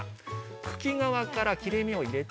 茎側から、切れ目を入れて